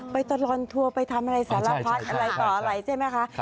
ตลอดทัวร์ไปทำอะไรสารพัดอะไรต่ออะไรใช่ไหมคะ